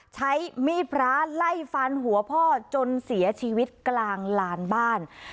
ใช้มีดพระไล่ฟันหัวพ่อจนเสียชีวิตกลางลานบ้าน